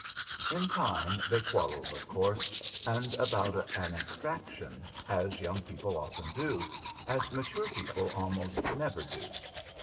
VI In time they quarrelled, of course, and about an abstraction, as young people often do, as mature people almost never do.